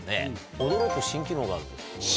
驚く新機能があるんです